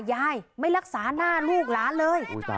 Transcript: ยายไม่รักษาหน้าลูกหลานเลย